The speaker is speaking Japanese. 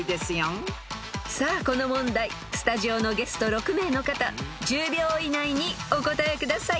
［さあこの問題スタジオのゲスト６名の方１０秒以内にお答えください］